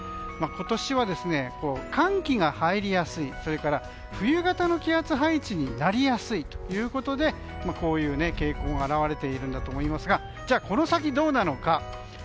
今年は寒気が入りやすい冬型の気圧配置になりやすいということでこういう傾向が表れているんだと思いますがじゃあこの先どうなのか。